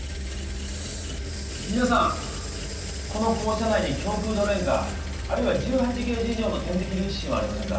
皆さんこの校舎内に胸腔ドレーンかあるいは１８ゲージ以上の点滴留置針はありませんか？